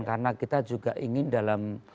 karena kita juga ingin dalam